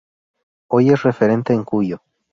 Hoy es referente en Cuyo.